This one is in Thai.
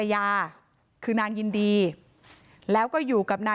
นายสาราวุธคนก่อเหตุอยู่ที่บ้านกับนางสาวสุกัญญาก็คือภรรยาเขาอะนะคะ